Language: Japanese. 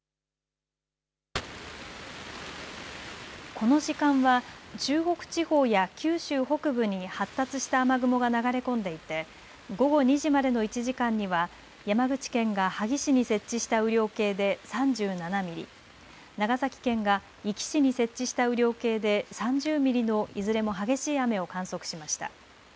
この時間は中国地方や九州北部に発達した雨雲が流れ込んでいて午後２時までの１時間には山口県が萩市に設置した雨量計で３７ミリ、長崎県が壱岐市に設置した雨量計で３０ミリのいずれも激しい雨を観測しました。